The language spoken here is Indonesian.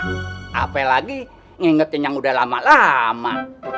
sampe lagi ngingetin yang udah lama lama